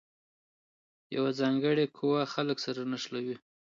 یوه ځانګړې قوه خلګ سره نښلوي.